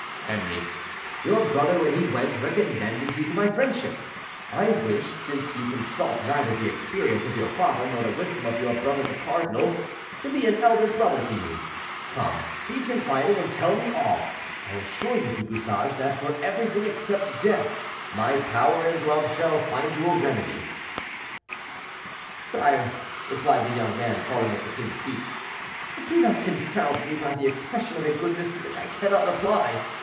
"Henri, your brother, when he went, recommended you to my friendship. I wish, since you consult neither the experience of your father, nor the wisdom of your brother the cardinal, to be an elder brother to you. Come, be confiding, and tell me all. I assure you, Du Bouchage, that for everything except death my power and love shall find you a remedy." "Sire," replied the young man, falling at the king's feet, "do not confound me by the expression of a goodness to which I cannot reply.